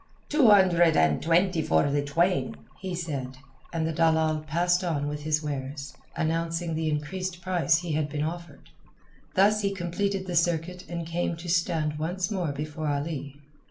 "Two hundred and twenty for the twain," he said, and the dalal passed on with his wares, announcing the increased price he had been offered. Thus he completed the circuit and came to stand once more before Ali.